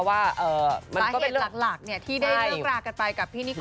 เหตุเหตุหลักที่ได้เรียกราบกันไปกับพี่นิโค